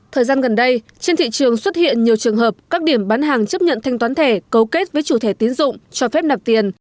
thời gian gần đây trên thị trường xuất hiện nhiều trường hợp các điểm bán hàng chấp nhận thanh toán thẻ cấu kết với chủ thẻ tiến dụng cho phép nạp tiền